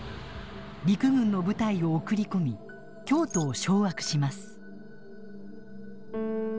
陸軍の部隊を送り込み京都を掌握します。